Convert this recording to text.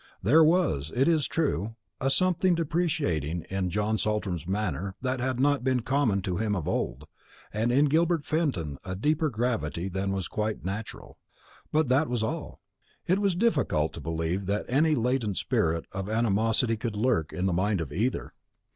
There was, it is true, a something deprecating in John Saltram's manner that had not been common to him of old, and in Gilbert Fenton a deeper gravity than was quite natural; but that was all. It was difficult to believe that any latent spirit of animosity could lurk in the mind of either.